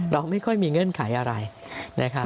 เราไม่ค่อยมีเงื่อนไขอะไรนะครับ